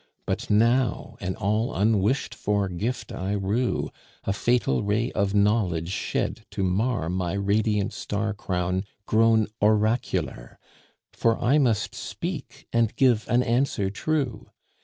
But now an all unwished for gift I rue, A fatal ray of knowledge shed to mar My radiant star crown grown oracular, For I must speak and give an answer true.